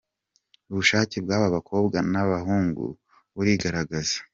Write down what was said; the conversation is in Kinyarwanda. Ubushake bw’aba bakobwa n’aba bahungu burigaragaza.